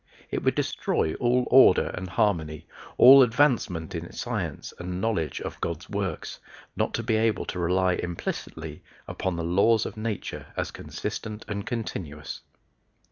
It would destroy all order and harmony, all advancement in science and knowledge of God's works, not to be able to rely implicitly upon the laws of nature as consistent and continuous.